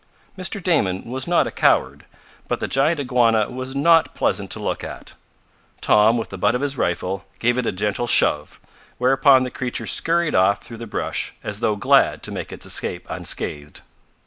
Mr. Damon was not a coward, but the giant iguana was not pleasant to look at. Tom, with the butt of his rifle, gave it a gentle shove, whereupon the creature scurried off through the brush as though glad to make its escape unscathed.